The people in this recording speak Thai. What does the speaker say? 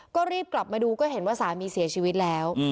ก็รีบกลับมาดูก็เห็นว่าสามีเสียชีวิตแล้ว